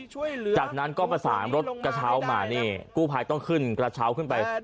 จากนั้นก็ประสานรถกระเช้ามานี่กู้ภัยต้องขึ้นกระเช้าขึ้นไป